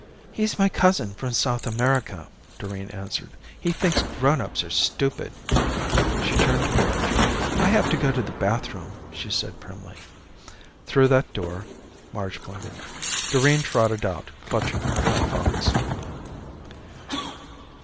"He's my cousin from South America," Doreen answered. "He thinks grownups are stupid." She turned to Marge. "I have to go to the bathroom," she said primly. "Through that door." Marge pointed. Doreen trotted out, clutching her hat box.